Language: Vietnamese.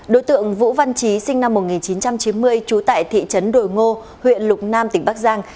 đối tượng vũ văn trí sinh năm một nghìn chín trăm chín mươi trú tại thị trấn đồi ngô huyện lục nam tỉnh bắc giang